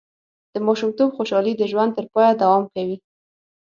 د ماشومتوب خوشحالي د ژوند تر پایه دوام کوي.